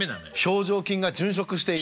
「表情筋が殉職している」。